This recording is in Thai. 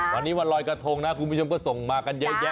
วันนี้วันรอยกระทงนะคุณผู้ชมก็ส่งมากันเยอะแยะ